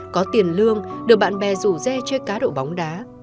có tiền lương được bạn bè rủ re chơi cá đậu bóng đá